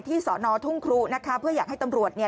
สอนอทุ่งครูนะคะเพื่ออยากให้ตำรวจเนี่ย